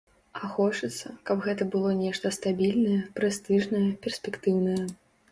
А хочацца, каб гэта было нешта стабільнае, прэстыжнае, перспектыўнае.